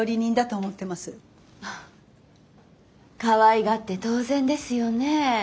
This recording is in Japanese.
かわいがって当然ですよね。